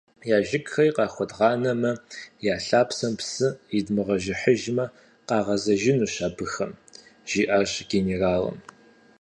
- Я жыгхэри къахуэдгъанэмэ, я лъапсэм псы идмыгъэжыхьыжмэ, къагъэзэжынущ абыхэм, – жиӏащ генералым.